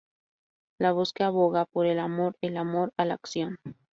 La voz que aboga por el amor, el amor a la acción.